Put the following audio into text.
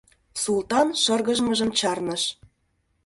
— Султан шыргыжмыжым чарныш.